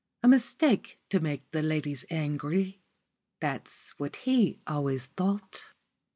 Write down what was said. A mistake to make the ladies angry that was what he always thought.